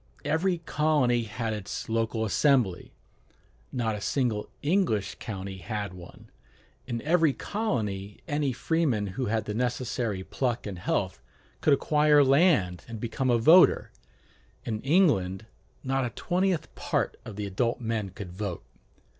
Every colony had its local assembly: not a single English county had one. In every colony any freeman who had the necessary pluck and health could acquire land and become a voter: in England not a twentieth part of the adult men could vote.